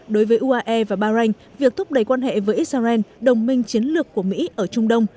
đối với uae và bahrain việc thúc đẩy quan hệ với israel đồng minh chiến lược của mỹ ở trung đông